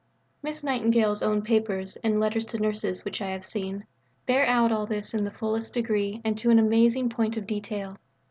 Miss Nightingale's own papers, and letters to nurses which I have seen, bear out all this in the fullest degree and to an amazing point of detail.